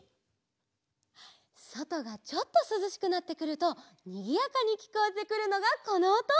そとがちょっとすずしくなってくるとにぎやかにきこえてくるのがこのおと。